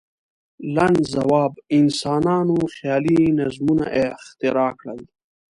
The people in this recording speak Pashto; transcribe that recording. لنډ ځواب: انسانانو خیالي نظمونه اختراع کړل.